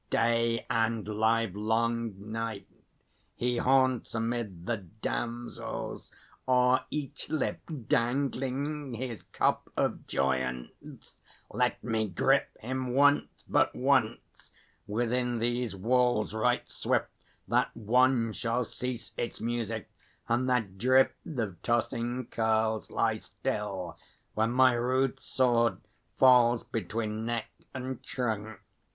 Day and livelong night He haunts amid the damsels, o'er each lip Dangling his cup of joyance! Let me grip Him once, but once, within these walls, right swift That wand shall cease its music, and that drift Of tossing curls lie still when my rude sword Falls between neck and trunk!